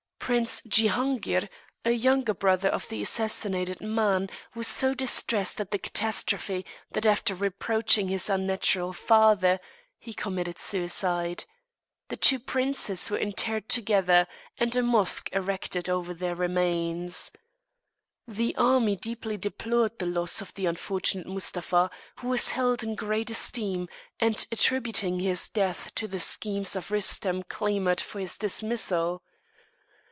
Prince Ziangir, a younger brother of the assassinated man, was so distressed at the catastrophe, that, after reproaching his unnatural father, he committed suicide. The two princes were interred together, and a mosque erected over their remains. The army deeply deplored the loss of the unfortunate Mustapha, who was held in great esteem, and attributing his death to the schemes of Rustem clamoured for his dismissal.